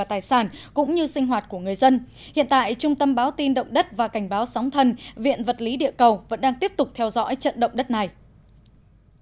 giám đốc trung tâm báo tin động đất và cảnh báo sóng thần cho biết huyện bắc trà my là địa phận thường xuyên xảy ra động đất nhưng trận động đất này không có khả năng gây thiệt hại về người